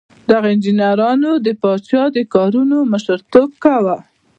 دغو انجینرانو د پادشاه د کارونو مشر توب کاوه.